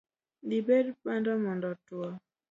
Dhibet bando mondo otwo.